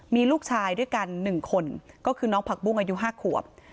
มีลูกชายด้วยกัน๑คนก็คือน้องผักบุ้งอายุ๕ขวบ